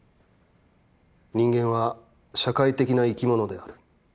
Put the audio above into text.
人間は社会的な生き物である。